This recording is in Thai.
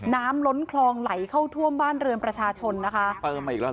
น้ำล้นคลองไหลเข้าทั่วบ้านเรือนประชาชนนะฮะ